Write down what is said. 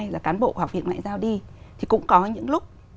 là cán bộ học viện ngoại giao đi thì cũng có những lúc